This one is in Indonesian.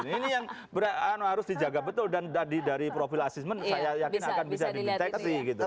ini yang harus dijaga betul dan dari profil asistmen saya yakin akan bisa dibilang